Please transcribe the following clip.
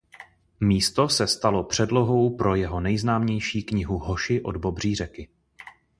Místo se stalo předlohou pro jeho nejznámější knihu Hoši od Bobří řeky.